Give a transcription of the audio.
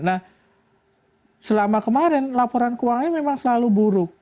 nah selama kemarin laporan keuangannya memang selalu buruk